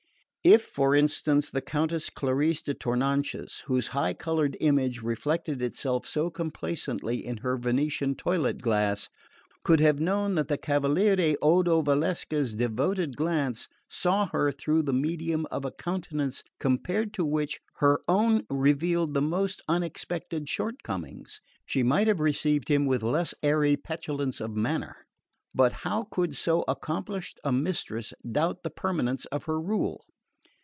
If, for instance, the Countess Clarice di Tournanches, whose high coloured image reflected itself so complacently in her Venetian toilet glass, could have known that the Cavaliere Odo Valsecca's devoted glance saw her through the medium of a countenance compared to which her own revealed the most unexpected shortcomings, she might have received him with less airy petulance of manner. But how could so accomplished a mistress doubt the permanence of her rule?